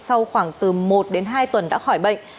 sau khoảng từ một đến hai tuần đã khỏi bệnh